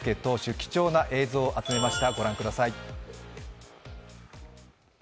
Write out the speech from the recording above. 貴重な映像を集めました。